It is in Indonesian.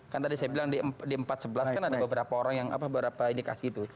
kan tadi saya bilang di empat sebelas kan ada beberapa orang yang beberapa indikasi itu